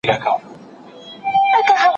د سياست پوهنې اصطلاحات زده کول پکار دي.